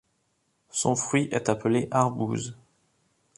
Son fruit est appelé arbouse.